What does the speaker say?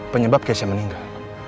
penyebab keisha meninggal